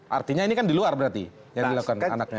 artinya ini kan di luar berarti yang dilakukan anak nyala nyalanya